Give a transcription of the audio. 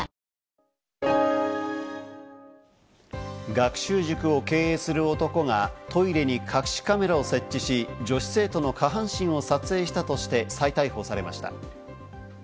学習塾を経営する男がトイレに隠しカメラを設置し、女子生徒の下半身を撮影したとして再逮捕されました。